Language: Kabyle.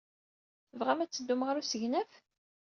Tebɣam ad teddum ɣer usegnaf?